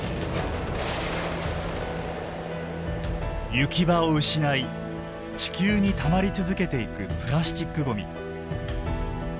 行き場を失い地球にたまり続けていくプラスチックごみ。